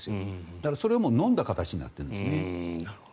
だから、それをのんだ形になっているんですね。